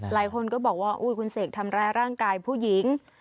หลายคนก็บอกว่าคุณเสกทำร้ายร่างกายผู้หญิง